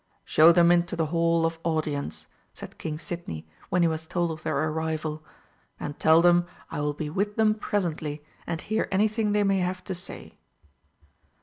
"Show them into the Hall of Audience," said King Sidney, when he was told of their arrival, "and tell them I will be with them presently and hear anything they may have to say."